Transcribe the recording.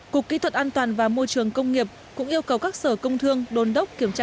cục kỹ thuật an toàn và môi trường công nghiệp cũng yêu cầu các sở công thương đồn đốc kiểm tra